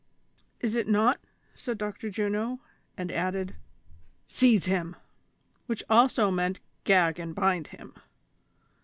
"Is it not V" said Dr. Juno, and added, " Seize him," which also meant gag and bind him.